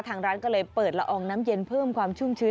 ทางร้านก็เลยเปิดละอองน้ำเย็นเพิ่มความชุ่มชื้น